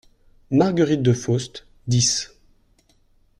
Marguerite De Faust : dix…